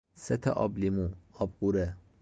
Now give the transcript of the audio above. ست آبلیمو ، آبغوره